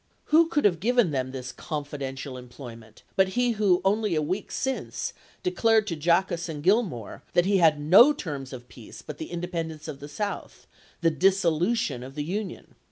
Who could have given them this confidential em ployment, but he who, only a week since, declared to Jaquess and Gilmore, that he had no terms of peace but the independence of the South — the dis solution of the Union.